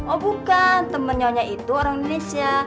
oh bukan temen nyonya itu orang indonesia